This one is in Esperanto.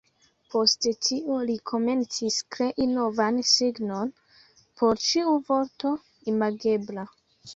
Post tio, li komencis krei novan signon por ĉiu vorto imagebla.